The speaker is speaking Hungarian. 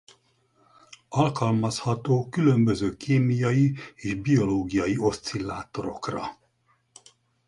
Alkalmazható különböző kémiai és biológiai oszcillátorokra.